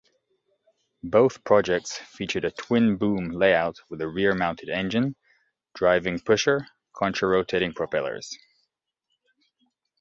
Both projects featured a twin-boom layout with a rear-mounted engine driving pusher contra-rotating propellers.